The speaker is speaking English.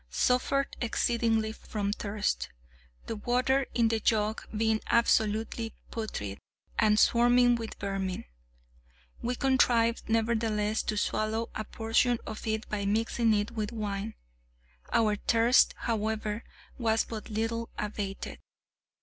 Suffered exceedingly from thirst, the water in the jug being absolutely putrid and swarming with vermin. We contrived, nevertheless, to swallow a portion of it by mixing it with wine; our thirst, however, was but little abated.